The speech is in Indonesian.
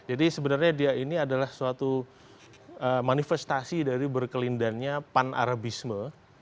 jadi sebenarnya dia ini adalah suatu manifestasi dari berkelindannya pan arabisme